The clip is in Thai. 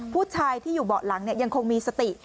ผู้ชายที่อยู่เบาะหลังยังคงมีสติ